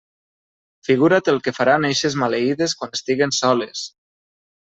Figura't el que faran eixes maleïdes quan estiguen soles.